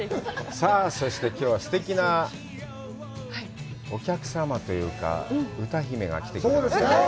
さあ、そしてきょうは、すてきなお客様というか、歌姫が来てくれました。